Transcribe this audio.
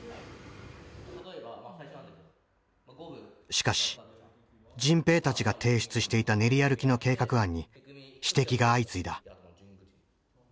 しかし迅平たちが提出していた練り歩きの計画案に指摘が相次いだ。